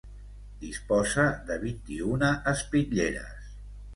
Disposa de vint-i-una espitlleres.